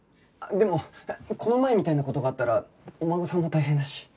でもこの前みたいな事があったらお孫さんも大変だし。